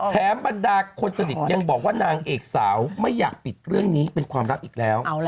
บรรดาคนสนิทยังบอกว่านางเอกสาวไม่อยากปิดเรื่องนี้เป็นความรักอีกแล้ว